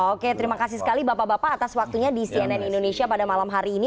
oke terima kasih sekali bapak bapak atas waktunya di cnn indonesia pada malam hari ini